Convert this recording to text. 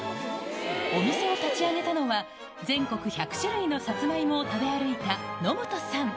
お店を立ち上げたのは、全国１００種類のさつま芋を食べ歩いた野元さん。